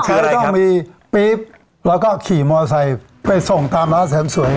คือต้องมีปี๊บแล้วก็ขี่มอไซค์ไปส่งตามร้านเสริมสวย